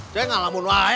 ceng alamun lah